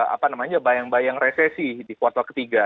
apa namanya bayang bayang resesi di kuartal ketiga